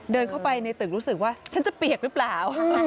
เดินเข้าไปในตึกรู้สึกว่าฉันจะเปียกหรือเปล่า